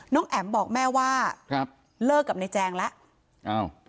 น้องแอ๋มบอกแม่ว่าเลิกกับในแจ้งแล้ว